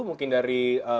mungkin dari produsen